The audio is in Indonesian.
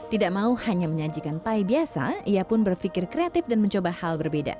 tidak mau hanya menyajikan pie biasa ia pun berpikir kreatif dan mencoba hal berbeda